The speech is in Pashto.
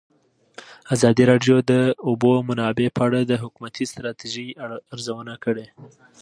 ازادي راډیو د د اوبو منابع په اړه د حکومتي ستراتیژۍ ارزونه کړې.